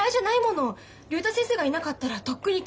竜太先生がいなかったらとっくに結婚してたわ。